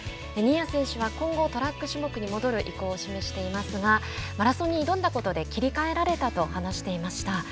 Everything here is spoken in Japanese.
新谷選手は今後トラック種目に戻る意向を示していますがマラソンに挑んだことで切り替えられたと話していました。